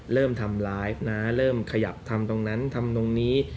เริ่มทำร้ายนะเริ่มขยับทำตรงนั้นทำตรงนี้